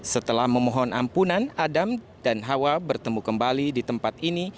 setelah memohon ampunan adam dan hawa bertemu kembali di tempat ini